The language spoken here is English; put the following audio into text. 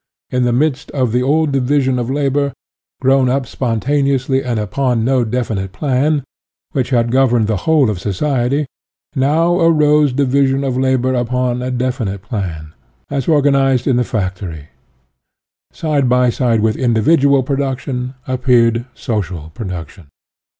In the midst of the old division of labor, grown up spontaneously and upon IOO SOCIALISM no definite plan, which had governed, the whole of society, now arose division of labor upon a definite plan, as organized in the factory; side by side with individual production appeared social production.